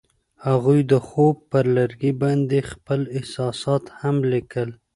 هغوی د خوب پر لرګي باندې خپل احساسات هم لیکل.